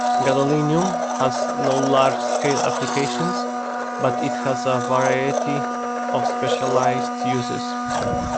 Gadolinium has no large-scale applications, but it has a variety of specialized uses.